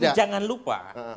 tapi jangan lupa